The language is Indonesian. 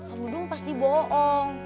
om dudung pasti bohong